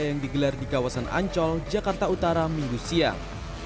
yang digelar di kawasan ancol jakarta utara minggu siang